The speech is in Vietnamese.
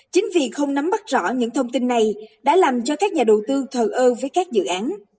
chính vì không nắm bắt rõ những thông tin này đã làm cho các nhà đầu tư thờ ơ với các dự án